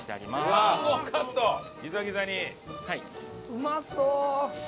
うまそう！